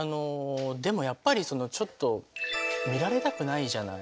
でもやっぱりちょっと見られたくないじゃない？